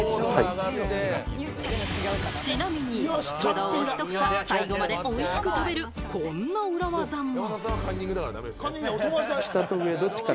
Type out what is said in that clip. ちなみにブドウを一房、最後までおいしく食べるこんな裏技も。